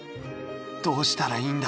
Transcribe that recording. どうしたらいいんだ？